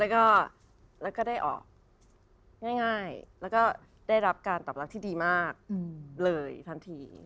แล้วก็ได้ออกง่ายแล้วก็ได้รับการตอบรับที่ดีมากเลยทันที